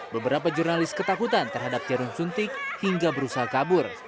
beberapa jurnalis ketakutan terhadap jarum suntik hingga berusaha kabur